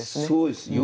そうです。